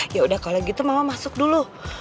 yaudah kalau gitu mama masuk dulu